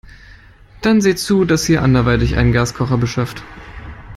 Dann seht zu, dass ihr anderweitig einen Gaskocher beschafft.